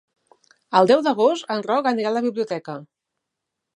El deu d'agost en Roc anirà a la biblioteca.